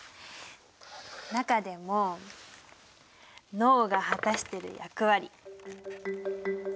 中でも脳が果たしてる役割。